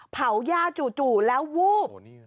เผาหญ้าแล้ววูบ